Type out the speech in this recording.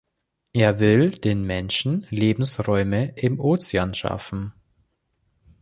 Er will dem Menschen Lebensräume im Ozean schaffen.